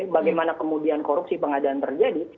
bagaimana kemudian korupsi pengadaan terjadi